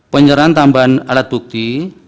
penyerahan tambahan alat bukti